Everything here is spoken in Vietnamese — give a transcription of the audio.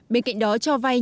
bên cạnh đó cho vay nhà ở